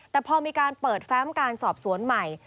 แต่พอมีการเปิดแฟมการสอบสวนใหม่